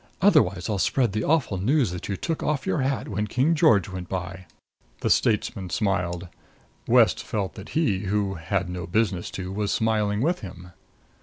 Otherwise I'll spread the awful news that you took off your hat when King George went by." The statesman smiled. West felt that he, who had no business to, was smiling with him.